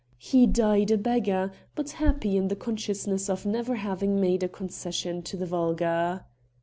He died a beggar, but happy in the consciousness of never having made a concession to the vulgar."